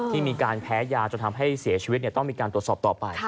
ที่มีการแพ้ยาจนทำให้เสียชีวิตต้องมีการตรวจสอบต่อไป